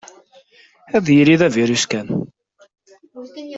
Ad yili d avirus kan.